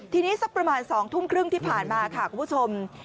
ทีนี้สักประมาณ๒ทุ่มครึ่งที่ผ่านมาค่ะคุณผู้ชม